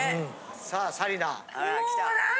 さあ紗理奈。